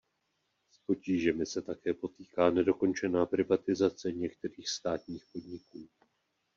S potížemi se také potýká nedokončená privatizace některých státních podniků.